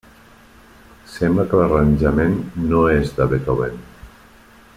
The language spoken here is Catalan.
Sembla que l'arranjament no és de Beethoven.